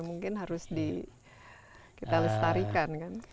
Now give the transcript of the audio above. mungkin harus kita lestarikan kan